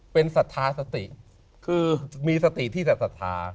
เป็นศรัทธาสติคือมีสติที่ศรัทธา